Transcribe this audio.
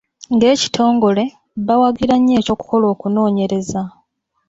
Ng’ekitongole, bawagira nnyo eky’okukola okunoonyereza.